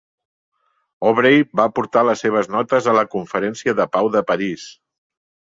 Aubrey va portar les seves notes a la conferència de pau de París.